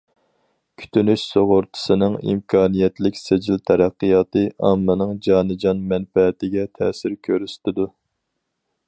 كۈتۈنۈش سۇغۇرتىسىنىڭ ئىمكانىيەتلىك سىجىل تەرەققىياتى ئاممىنىڭ جانىجان مەنپەئەتىگە تەسىر كۆرسىتىدۇ.